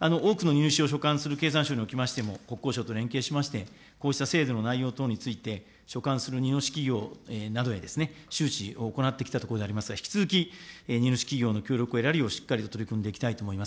多くの荷主を所管する経産省におきましても、国交省と連携しまして、こうした制度の内容等について、所管する荷主企業などへ周知を行ってきたところでございますが、引き続き、荷主企業の協力を得られるようしっかりと取り組んでいきたい思います。